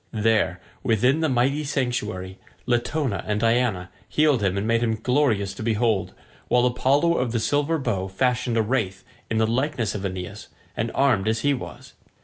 There, within the mighty sanctuary, Latona and Diana healed him and made him glorious to behold, while Apollo of the silver bow fashioned a wraith in the likeness of Aeneas, and armed as he was.